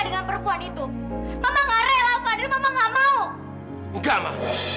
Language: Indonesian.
kamu baik baik aja kan ma